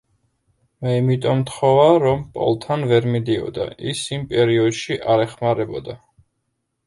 მე იმიტომ მთხოვა, რომ პოლთან ვერ მიდიოდა, ის იმ პერიოდში არ ეხმარებოდა.